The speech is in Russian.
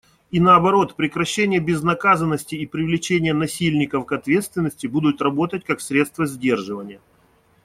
И наоборот, прекращение безнаказанности и привлечение насильников к ответственности будут работать как средство сдерживания.